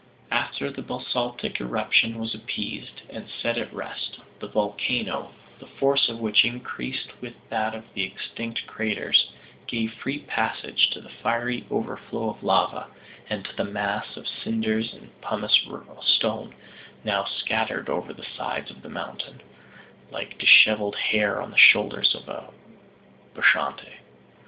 After the basaltic eruption was appeased and set at rest, the volcano, the force of which increased with that of the extinct craters, gave free passage to the fiery overflow of lava, and to the mass of cinders and pumice stone, now scattered over the sides of the mountain, like disheveled hair on the shoulders of a Bacchante.